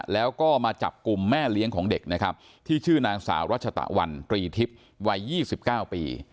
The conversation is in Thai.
แล้วก็มาจับกลุ่มแม่เลี้ยงของเด็กนะครับที่ชื่อนางสาวรัชตะวันตรีทิพย์วัย๒๙ปี